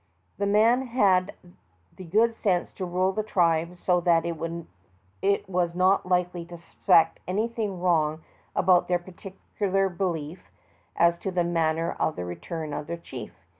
The man had the good sense to rule the tribe so that it was not likely to suspect anything wrong about their peculiar belief as to the manner of the return of their chief.